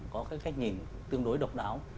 có cái cách nhìn tương đối độc đáo